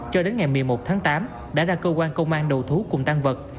cho đến ngày một mươi một tháng tám đã ra cơ quan công an đầu thú cùng tan vật